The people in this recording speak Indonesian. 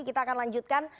kita akan lanjutkan